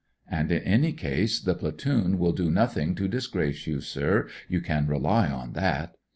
And, in any case, the platoon will do nothing to disgrace you, sir, you can rely on that.